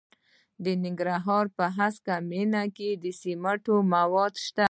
د ننګرهار په هسکه مینه کې د سمنټو مواد شته.